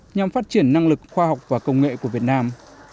nhằm phát triển năng lực khoa học và công nghệ của việt nam